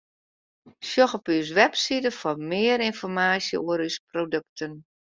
Sjoch op ús website foar mear ynformaasje oer ús produkten.